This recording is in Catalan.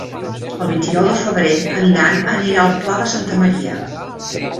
El vint-i-nou de febrer en Dan anirà al Pla de Santa Maria.